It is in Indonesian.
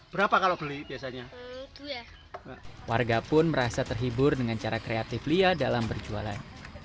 berapa kalau beli biasanya warga pun merasa terhibur dengan cara kreatif lia dalam berjualan